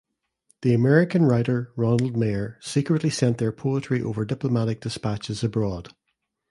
The American writer Ronald Meyer secretly sent their poetry over diplomatic dispatches abroad.